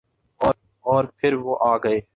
اورپھر وہ آگئے۔